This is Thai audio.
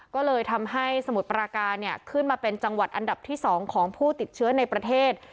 ก็เลยทำให้สมุทรปราการขึ้นมาเป็นจังหวัดอันดับที่๒ของผู้ติดเชื้อในประเทศ